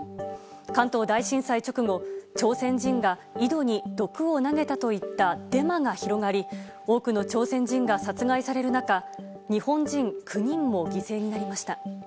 関東大震災直後、朝鮮人が井戸に毒を投げたといったデマが広がり多くの朝鮮人が殺害される中日本人９人も犠牲になりました。